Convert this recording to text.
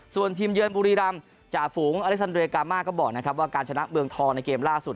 ส่วนทีมเยือนบุรีรำจ่าฝูงอเล็กซันเรยกามาก็บอกนะครับว่าการชนะเมืองทองในเกมล่าสุด